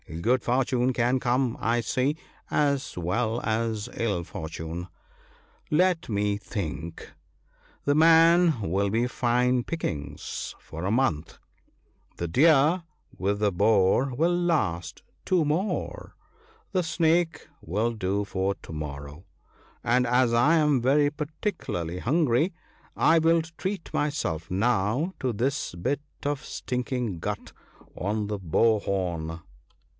Good fortune can come, I see, as well as ill fortune. Let me think :— the man will be fine pickings for a month ; the deer with the boar will last two more ; the snake will do for to morrow ; and, as I am very particu larly hungry, I will treat myself now to this bit of stink ing gut on the bow horn."